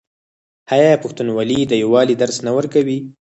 آیا پښتونولي د یووالي درس نه ورکوي؟